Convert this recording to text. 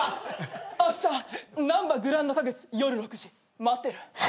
あしたなんばグランド花月夜６時待ってる。